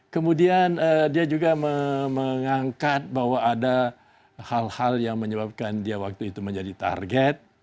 kemudian dia juga mengangkat bahwa ada hal hal yang menyebabkan dia waktu itu menjadi target